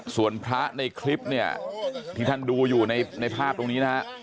ส่วนพระในคลิปเนี่ยที่ท่านดูอยู่ในภาพตรงนี้นะฮะ